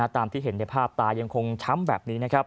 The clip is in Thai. ตามที่เห็นในภาพตายังคงช้ำแบบนี้นะครับ